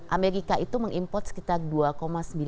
amerika itu mengimport sekitar dua lima juta dolar